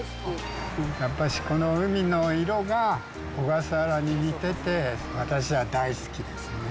やっぱしこの海の色が小笠原に似てて、私は大好きですね。